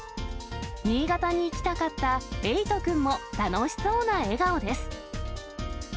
新潟に行きたかった映翔君も楽しそうな笑顔です。